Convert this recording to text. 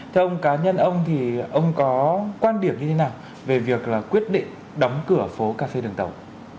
thưa ông cá nhân ông thì ông có quan điểm như thế nào về việc là quyết định đóng cửa phố cà phê đường tàu